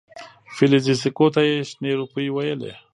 فلزي سکو ته یې شنې روپۍ ویلې.